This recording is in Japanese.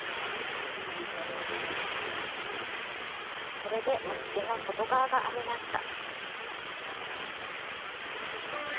これで持ち手の外側が編めました。